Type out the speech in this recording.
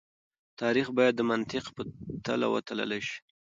تاريخ بايد د منطق په تله وتلل شي.